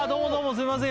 すいません